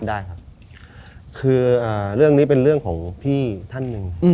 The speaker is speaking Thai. ได้ครับคือเรื่องนี้เป็นเรื่องของพี่ท่านหนึ่ง